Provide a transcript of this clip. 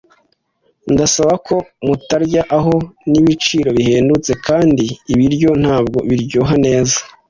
Ndasaba ko mutarya aho. Nibiciro bihendutse kandi ibiryo ntabwo biryoha neza.